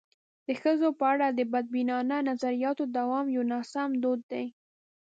د ښځو په اړه د بدبینانه نظریاتو دوام یو ناسم دود دی.